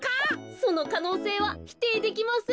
そのかのうせいはひていできません。